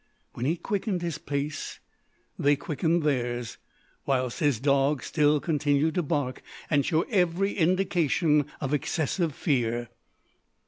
When he quickened his pace, they quickened theirs; whilst his dog still continued to bark and show every indication of excessive fear.